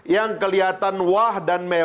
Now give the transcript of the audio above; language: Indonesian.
yang kelihatan wah